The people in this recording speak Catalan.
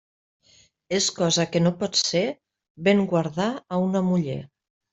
És cosa que no pot ser, ben guardar a una muller.